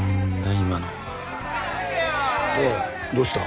今のおいどうした？